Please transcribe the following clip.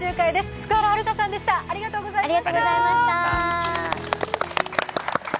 福原遥さんでした、ありがとうございました。